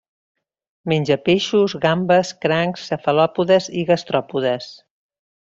Menja peixos, gambes, crancs, cefalòpodes i gastròpodes.